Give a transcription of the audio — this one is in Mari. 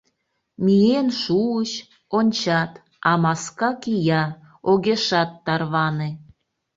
Миен шуыч, ончат, а маска кия, огешат тарване.